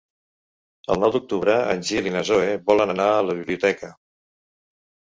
El nou d'octubre en Gil i na Zoè volen anar a la biblioteca.